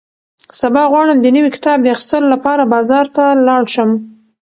سبا غواړم د نوي کتاب د اخیستلو لپاره بازار ته لاړ شم.